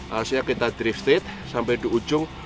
harusnya kita drifted sampai di ujung